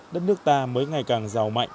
đất nước ta mới ngày càng giàu mạnh